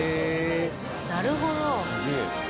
なるほど。